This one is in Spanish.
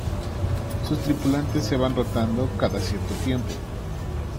Sus tripulantes se van rotando cada cierto tiempo.